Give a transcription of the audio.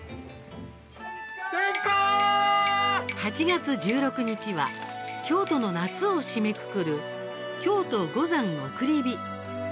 ８月１６日は京都の夏を締めくくる京都五山送り火。